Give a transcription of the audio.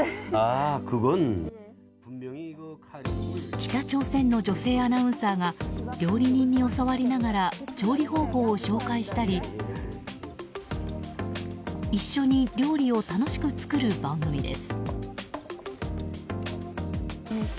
北朝鮮の女性アナウンサーが料理人に教わりながら調理方法を紹介したり一緒に料理を楽しく作る番組です。